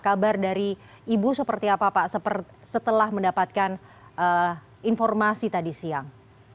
kabar dari ibu seperti apa pak setelah mendapatkan informasi tadi siang